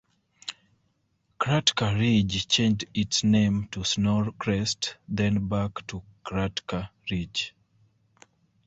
Kratka Ridge changed its name to Snowcrest, then back to Kratka Ridge.